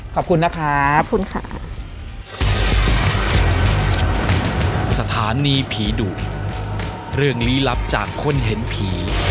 ขอบคุณนะครับขอบคุณค่ะขอบคุณค่ะ